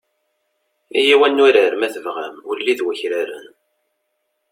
Iyyaw ad nurar, ma tebɣam, ulli d wakraren.